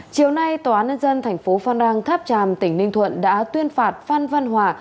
chiều nay tòa án nhân dân thành phố phan rang tháp tràm tỉnh ninh thuận đã tuyên phạt phan văn hòa